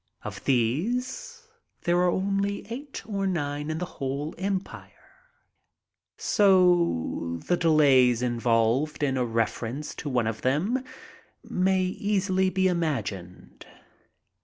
Of these there are only eight or nine in the whole empire, so the delays involved in a reference to one of them may easily be imagined."